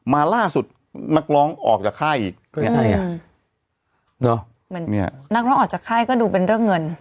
มาล่าสุดนักร้องออกจากค่ายอีกก็ยังไงอ่ะเนอะเหมือนเนี่ยนักร้องออกจากค่ายก็ดูเป็นเรื่องเงิน